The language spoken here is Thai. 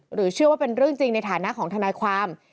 เชื่อว่าเป็นเรื่องจริงในฐานะของทนายความ